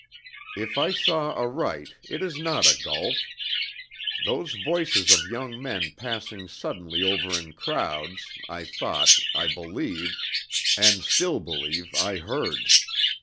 If I saw aright, it is not a gulf.... Those voices of young men passing suddenly over in crowds, I thought, I believed, and still believe I heard.